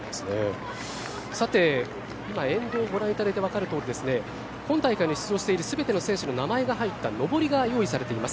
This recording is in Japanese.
今、沿道ご覧いただいてわかる通り今大会に出場しているすべての選手の名前が入っているのぼりがよういされています。